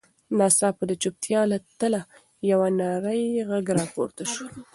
ناڅاپه د چوپتیا له تله یو نرۍ غږ راپورته شو.